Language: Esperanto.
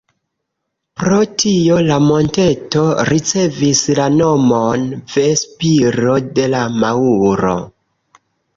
Pro tio la monteto ricevis la nomon "Ve-spiro de la maŭro".